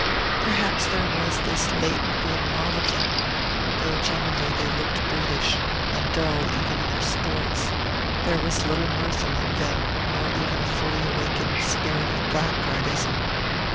Perhaps there was this latent good in all of them, though generally they looked brutish, and dull even in their sports; there was little mirth among them, nor even a fully awakened spirit of blackguardism.